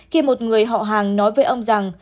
khi một người họ hàng nói với ông rằng